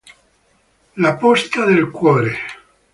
La posta del cuore